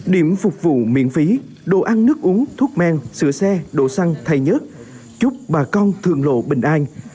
điểm phục vụ miễn phí đồ ăn nước uống thuốc men sửa xe đồ săn thay nhất chúc bà con thường lộ bình an